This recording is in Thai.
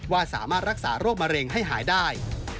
ว่าสามารถรักษาโรคมะเร็งให้หายได้